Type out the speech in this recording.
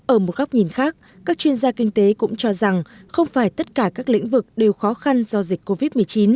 ở một góc nhìn khác các chuyên gia kinh tế cũng cho rằng không phải tất cả các lĩnh vực đều khó khăn do dịch covid một mươi chín